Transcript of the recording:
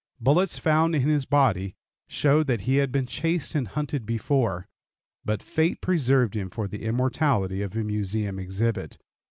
Bullets found in his body showed that he had been chased and hunted before, but fate preserved him for the immortality of a Museum exhibit.